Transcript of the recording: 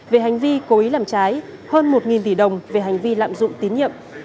về hành vi cố ý làm trái hơn một tỷ đồng về hành vi lạm dụng tín nhiệm